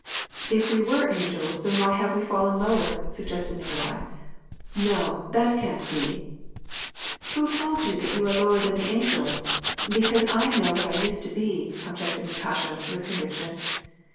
" If we were angels, then why have we fallen lower ?" suggested Nikolai. " No, that can't be !"" Who told you that we are lower than the angels ? Because I know what I used to be," objected Natasha, with conviction.